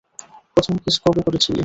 প্রথম কিস কবে করেছিলি?